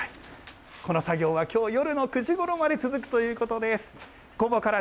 この作業はきょう夜の９時ごろまで続くということです。